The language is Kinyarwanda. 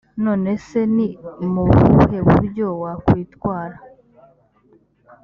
none se ni mu buhe buryo wakwitwara?